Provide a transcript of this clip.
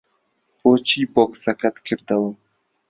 بۆچی بۆکسەکەت کردەوە؟